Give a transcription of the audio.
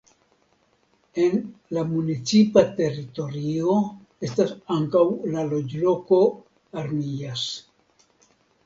En la municipa teritorio estas ankaŭ la loĝloko Armillas.